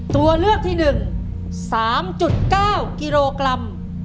ตัวเลือกที่๑๓๙กิโลกรัม